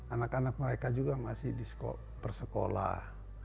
anak anak mereka juga masih bersekolah